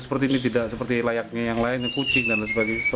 seperti ini tidak seperti layaknya yang lain kucing dan sebagainya